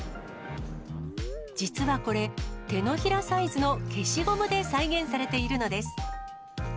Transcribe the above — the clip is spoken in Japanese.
実はこれ、手のひらサイズの消しゴムで再現されているのです。